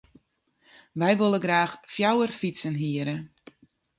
Wy wolle graach fjouwer fytsen hiere.